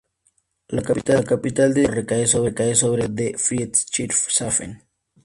La capital del distrito recae sobre la ciudad de Friedrichshafen.